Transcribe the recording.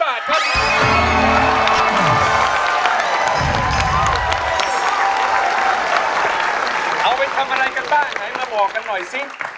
เอาไปทำอะไรกันบ้างไหนมาบอกกันหน่อยสิ